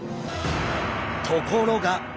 ところが！